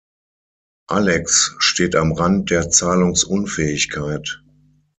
Alex steht am Rand der Zahlungsunfähigkeit.